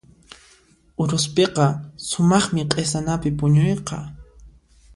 Uruspiqa sumaqmi q'isanapi puñuyqa.